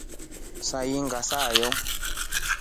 Sailinga saa yooyi.